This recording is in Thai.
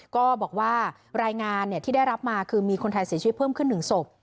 ก็บอกว่ารายงานที่ได้รับมาคือมีคนไทยเสียชีวิตเพิ่มขึ้น๑ศพ